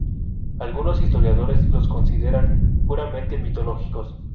Algunos historiadores los consideran puramente mitológicos.